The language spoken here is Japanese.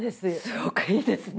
すごくいいですね。